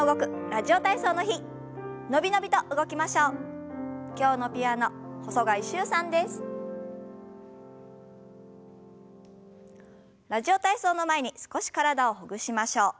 「ラジオ体操」の前に少し体をほぐしましょう。